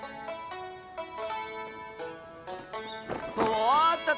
おっとっ